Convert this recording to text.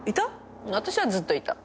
私はずっといた。